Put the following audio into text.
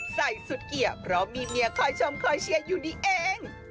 สุดเกียร์เพราะมีเมียคอยชมคอยเชียร์อยู่ดีเอง